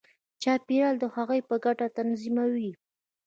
چاپېریال د هغوی په ګټه تنظیموي.